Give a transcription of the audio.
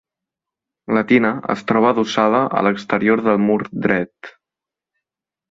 La tina es troba adossada a l'exterior del mur dret.